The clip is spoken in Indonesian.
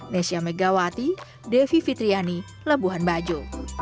nesya megawati devi fitriani labuan bajo